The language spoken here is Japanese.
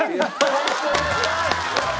よろしくお願いします！